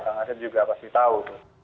kang asep juga pasti tahu